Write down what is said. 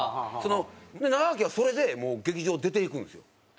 中川家はそれで劇場を出ていくんですよ。